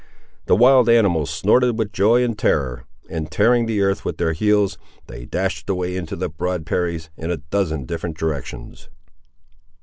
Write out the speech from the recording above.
The wild animals snorted with joy and terror, and tearing the earth with their heels, they dashed away into the broad prairies, in a dozen different directions.